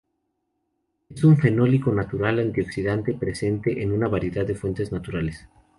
Es un fenólico natural antioxidante presente en una variedad de fuentes naturales.